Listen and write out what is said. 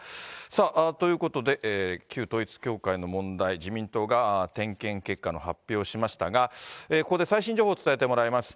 さあ、ということで、旧統一教会の問題、自民党が点検結果の発表しましたが、ここで最新情報を伝えてもらいます。